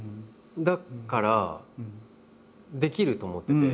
だからできると思ってて。